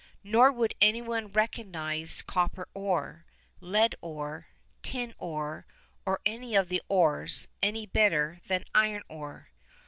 Nor would anyone recognise copper ore, lead ore, tin ore, or any of the ores, any better than iron ore.